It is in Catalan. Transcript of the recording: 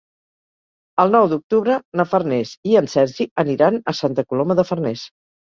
El nou d'octubre na Farners i en Sergi aniran a Santa Coloma de Farners.